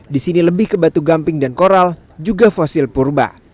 di sini lebih ke batu gamping dan koral juga fosil purba